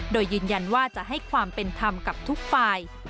โดยยืนยันว่าจะให้ความเป็นธรรมกับทุกฝ่าย